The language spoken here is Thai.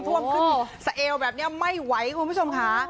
ทั่วมขึ้นเส์วแบบเนี้ยไม่ไหวลูกผู้ชมค่ะ